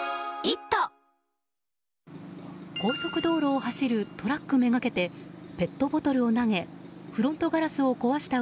高速道路を走るトラックめがけてペットボトルを投げフロントガラスを壊した